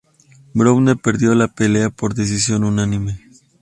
Browne perdió la pelea por decisión unánime.